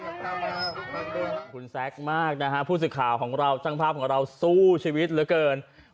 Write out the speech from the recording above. คุณแซคมากนะฮะผู้สื่อข่าวของเราช่างภาพของเราสู้ชีวิตเหลือเกิน